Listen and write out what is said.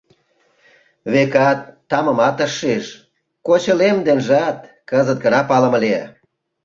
Векат, тамымат ыш шиж, кочылем денжат кызыт гына палыме лие.